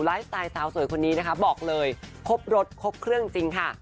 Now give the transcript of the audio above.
สไตล์สาวสวยคนนี้นะคะบอกเลยครบรสครบเครื่องจริงค่ะ